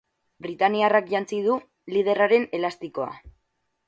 Britaniarrak jantzi du liderraren elastikoa.